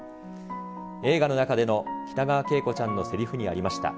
映画の中での北川景子ちゃんのせりふにありました。